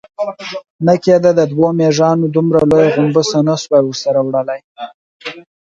نه کېده، دوو مېږيانو دومره لويه غومبسه نه شوای ورسره وړلای.